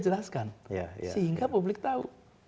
jelaskan sehingga publik tahu